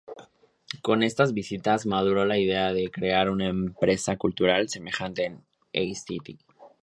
Con estas visitas maduró la idea de crear una empresa cultural semejante en St.